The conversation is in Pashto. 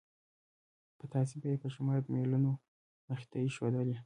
پتاسې به یې په شمار د مېلمنو مخې ته ایښودلې.